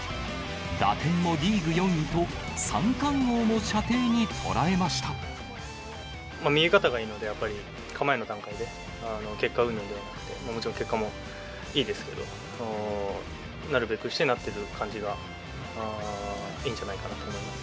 打点もリーグ４位と、見え方がいいので、構えの段階で、結果うんぬんではなくて、もちろん結果もいいですけど、なるべくしてなってる感じがいいんじゃないかなって思います。